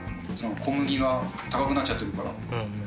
小麦が高くなっちゃってるから。